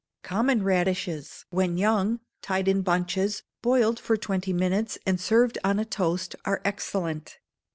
Common radishes, when young, tied in bunches, boiled for twenty minutes, and served on a toast, are excellent.